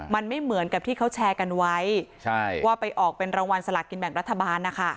มันไม่เหมือนกับที่เขาแชร์กันไว้ว่าไปออกเป็นรางวัลสลากินแบ่งรัฐบาลนะคะ